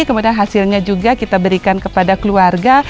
kemudian hasilnya juga kita berikan kepada keluarga